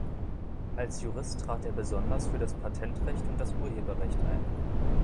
Als Jurist trat er besonders für das Patentrecht und das Urheberrecht ein.